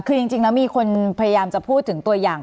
คือจริงแล้วมีคนพยายามจะพูดถึงตัวอย่าง